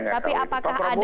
saya nggak tahu itu